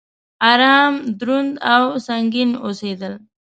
ارام، دروند او سنګين اوسيدل